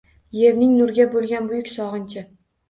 Yerning nurga bo‘lgan buyuk sog‘inchi